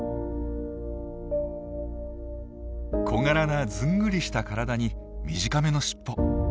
小柄なずんぐりした体に短めの尻尾。